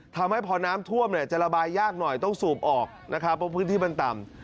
ทำให้พอน้ำท่วมเนี่ยจะระบายยากหน่อยต้องสูบออกนะครับเพราะพื้นที่มันต่ำ